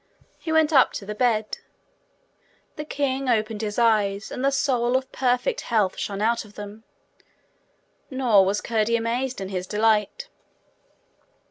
He went up to the bed. The king opened his eyes, and the soul of perfect health shone out of them. Nor was Curdie amazed in his delight.